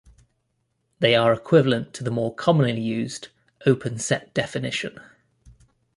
They are equivalent to the more commonly used open set definition.